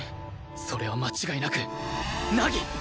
それは間違いなく凪！